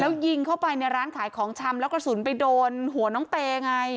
แล้วยิงเข้าไปในร้านขายของชำแล้วกระสุนไปโดนหัวน้องเตไง